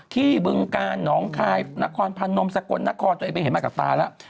บึงกาลหนองคายนครพนมสกลนครตัวเองไปเห็นมากับตาแล้ว